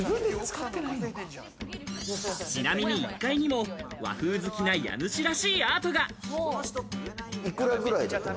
ちなみに１階にも和風好きな家主らしいアートが。